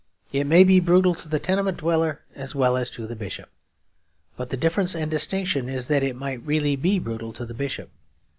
It may be brutal to the tenement dweller as well as to the bishop; but the difference and distinction is that it might really be brutal to the bishop.